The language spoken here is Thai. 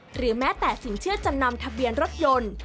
หรือแม้แต่สินเชื่อจำนำทะเบียนรถยนต์